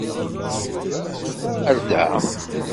Melmi i d-yusa ar da?